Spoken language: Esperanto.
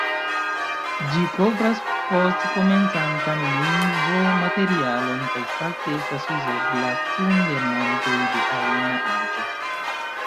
Ĝi kovras post-komencantan lingvo-materialon kaj fakte estas uzebla kun lernantoj de ajna aĝo.